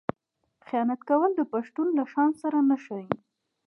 خیانت کول د پښتون له شان سره نه ښايي.